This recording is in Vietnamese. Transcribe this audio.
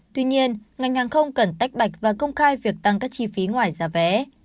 tuy nhiên ngành hàng không cần tách bạch và công khai việc tăng các chi phí ngoài giá vé